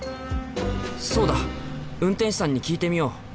そうだ運転手さんに聞いてみよう！